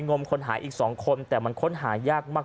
งมคนหายอีก๒คนแต่มันค้นหายากมาก